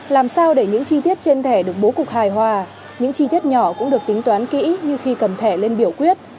làm sao để những chi tiết trên thẻ được bố cục hài hòa những chi tiết nhỏ cũng được tính toán kỹ như khi cầm thẻ lên biểu quyết